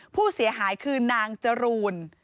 ผู้เสียหายคือนางจรูน